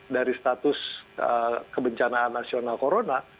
dari status kebencanaan nasional corona